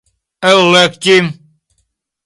elekti